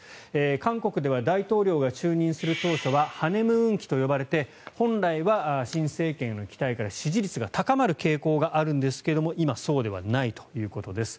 韓国では大統領が就任する当初はハネムーン期と呼ばれて本来は新政権への期待から支持率が高まる傾向があるんですが今、そうではないということです。